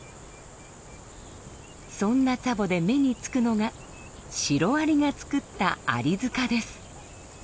そんなツァボで目に付くのがシロアリが作ったアリ塚です。